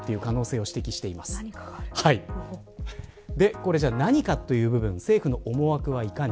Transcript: これ、何かという部分政府の思惑は、いかに。